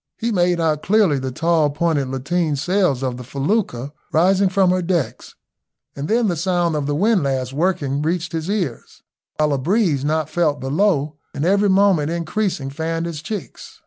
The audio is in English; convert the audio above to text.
He made out clearly the tall pointed lateen sails of the felucca rising from her decks, and then the sound of the windlass working reached his ears; while a breeze, not felt below and every moment increasing, fanned his cheeks.